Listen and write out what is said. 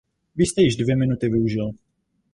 Vy jste již dvě minuty využil.